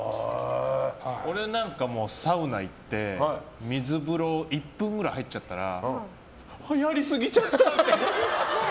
俺なんかはサウナ行って水風呂１分ぐらい入っちゃったらやりすぎちゃったって。